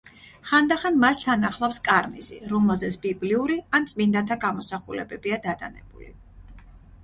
ხანდახან მას თან ახლავს კარნიზი, რომელზეც ბიბლიური ან წმინდანთა გამოსახულებებია დატანებული.